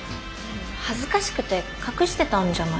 恥ずかしくて隠してたんじゃない？